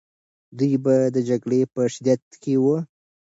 دوی به د جګړې په شدت کې وو.